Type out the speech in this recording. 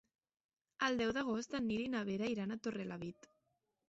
El deu d'agost en Nil i na Vera iran a Torrelavit.